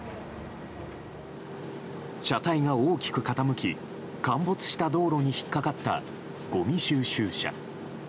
車体が大きく傾き陥没した道路に引っかかったごみ収集車。